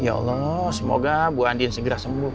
ya allah semoga bu andin segera sembuh